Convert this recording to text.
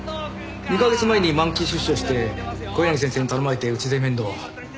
２カ月前に満期出所して小柳先生に頼まれてうちで面倒を。